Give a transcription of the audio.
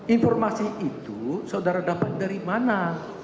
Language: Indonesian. informasi itu saudara dapat dari mana